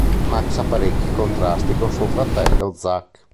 Max ha parecchi contrasti con suo fratello, Zack.